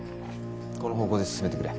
この方向で進めてくれ。